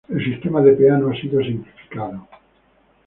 El sistema de Peano ha sido simplificado.